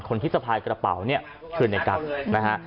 คนที่สะพายกระเป๋าเนี่ยคือในกั๊กนะฮะ